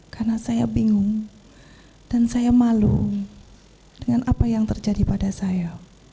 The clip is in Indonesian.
karena saya bingung dan saya malu dengan apa yang terjadi pada saya